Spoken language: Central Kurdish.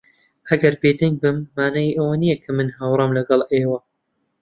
ئەگەر بێدەنگ بم، مانای ئەوە نییە کە من ھاوڕام لەگەڵ ئێوە.